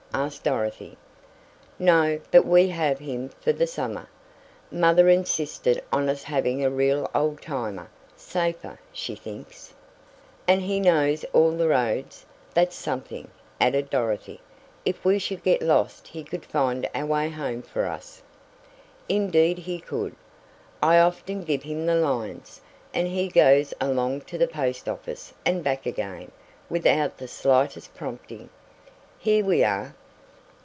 asked Dorothy. "No, but we have him for the summer. Mother insisted on us having a real old timer safer, she thinks." "And he knows all the roads, that's something," added Dorothy. "If we should get lost he could find our way home for us." "Indeed, he could. I often give him the lines, and he goes along to the post office, and back again, without the slightest prompting. Here we are!"